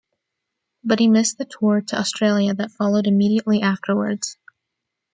But he missed the tour to Australia that followed immediately afterwards.